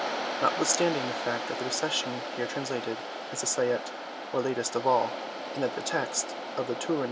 Notwithstanding the fact that the Recension here translated is the Sai'te or latest of all, and that the text of the Turin MS.